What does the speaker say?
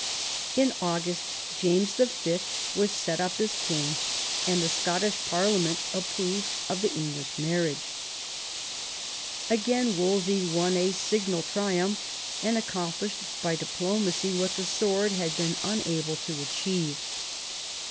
In August James Y. was set up as king, and the Scottish Parlia ment approved of the English marriage. Again Wolsey won a signal triumph, and accomplished by diplomacy what' the sword had been unable to achieve.